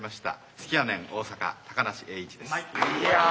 好きやねん大阪高梨英一です。